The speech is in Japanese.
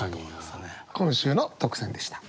今週の特選でした。